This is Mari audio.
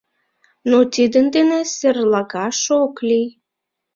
Но тидын дене серлагаш ок лий.